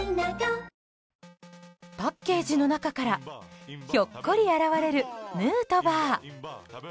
パッケージの中からひょっこり現れるヌートバー。